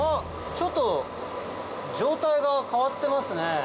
ちょっと状態が変わってますね。